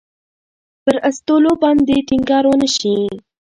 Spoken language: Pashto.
پر استولو باندې ټینګار ونه شي.